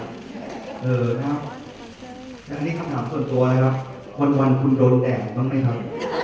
อันนี้คำถามส่วนตัวนะครับวันคุณโดนแดดบ้างไหมครับ